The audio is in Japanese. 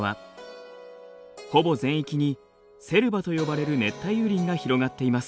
ほぼ全域にセルバと呼ばれる熱帯雨林が広がっています。